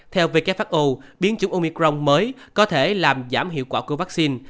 theo who biến chủng omicron mới có thể làm giảm hiệu quả của vắc xin